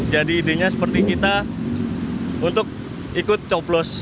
jadi idenya seperti kita untuk ikut coplos